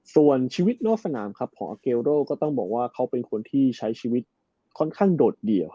ส่วนชีวิตนอกสนามครับของอาเกลโร่ก็ต้องบอกว่าเขาเป็นคนที่ใช้ชีวิตค่อนข้างโดดเดี่ยว